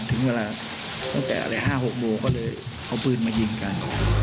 ถึงเวลาตั้งแต่อะไร๕๖โมงก็เลยเอาปืนมายิงกัน